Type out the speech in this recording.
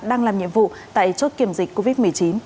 đang làm nhiệm vụ tại chốt kiểm dịch covid một mươi chín